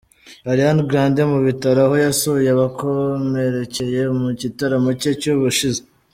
Ariana Grande mu bitaro aho yasuye abakomerekeye mu gitaramo cye cy'ubushize.